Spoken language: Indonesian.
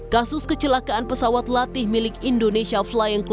kasus kecelakaan pesawat latih milik indonesia